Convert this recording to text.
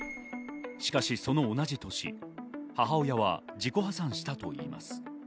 しかしその同じ年、母親は自己破産したといいます。